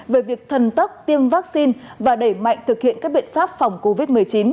về việc thần tốc tiêm vaccine và đẩy mạnh thực hiện các biện pháp phòng covid một mươi chín